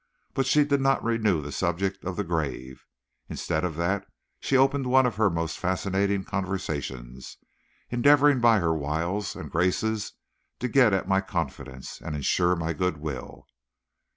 But she did not renew the subject of the grave. Instead of that, she opened one of her most fascinating conversations, endeavoring by her wiles and graces to get at my confidence and insure my good will.